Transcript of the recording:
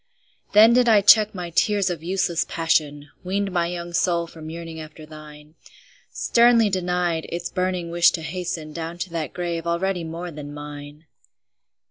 Then did I check my tears of useless passion, Weaned my young soul from yearning after thine, Sternly denied its burning wish to hasten Down to that grave already more than mine!